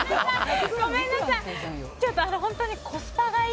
ごめんなさい。